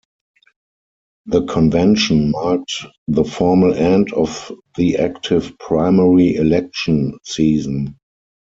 The convention marked the formal end of the active primary election season.